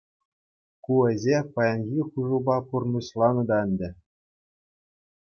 Ку ӗҫе паянхи хушупа пурнӑҫланӑ та ӗнтӗ.